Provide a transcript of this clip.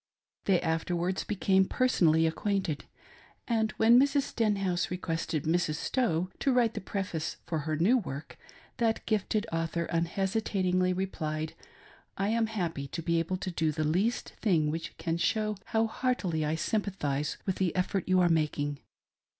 They afterwards became personally acquainted ; and when Mrs. Stenhouse requested Mrs. Stowe to write the preface for her new work, that gifted author unhesitatingly replied :" I am happy to be able to do the least thing which can show how heartily I sympathise with the effort you are making.